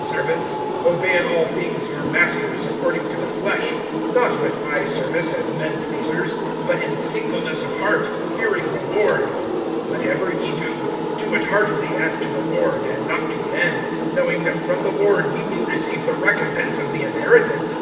(22)Servants, obey in all things your masters according to the flesh; not with eye service, as men pleasers, but in singleness of heart, fearing the Lord. (23)Whatever ye do, do it heartily, as to the Lord, and not to men; (24)knowing that from the Lord ye will receive the recompense of the inheritance.